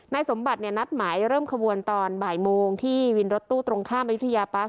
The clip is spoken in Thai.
สมบัติเนี่ยนัดหมายเริ่มขบวนตอนบ่ายโมงที่วินรถตู้ตรงข้ามอายุทยาปั๊ก